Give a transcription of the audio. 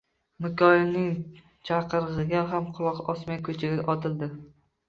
Mikoyilning chaqirig`iga ham quloq osmay ko`chaga otildi